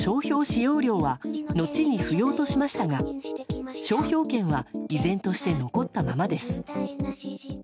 使用料は後に不要としましたが商標権は依然として残ったままです。